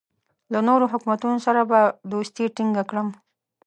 له نورو حکومتونو سره به دوستي ټینګه کړم.